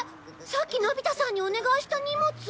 さっきのび太さんにお願いした荷物。